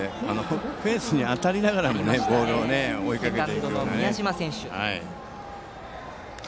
フェンスに当たりながらもボールを追いかけましたね。